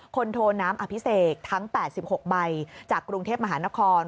โทน้ำอภิเษกทั้ง๘๖ใบจากกรุงเทพมหานคร